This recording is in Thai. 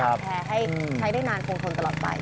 แชร์ให้ใช้ได้นานคงทนตลอดไป